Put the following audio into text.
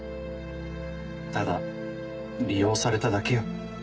ただ利用されただけよ。